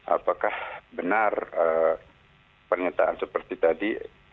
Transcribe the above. apakah benar pernyataan seperti tadi